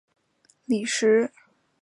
李石樵出生于新庄